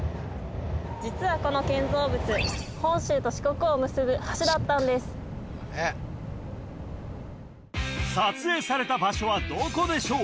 実はこの建造物本州と四国を結ぶ橋だったんです撮影された場所はどこでしょう？